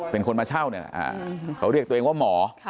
เป็นคนมาเช่านี่แหละเขาเรียกตัวเองว่าหมอ